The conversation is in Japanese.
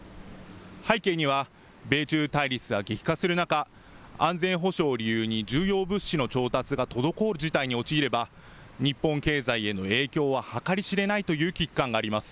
背景には米中対立が激化する中、安全保障を理由に重要物資の調達が滞る事態に陥れば日本経済への影響は計り知れないという危機感があります。